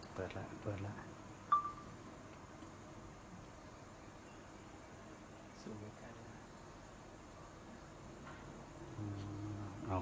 เปิดแล้วเปิดแล้ว